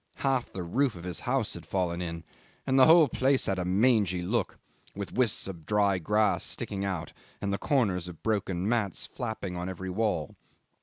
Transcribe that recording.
Half the roof of his house had fallen in, and the whole place had a mangy look, with wisps of dry grass sticking out and the corners of broken mats flapping on every wall.